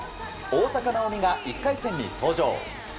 大坂なおみが１回戦に登場。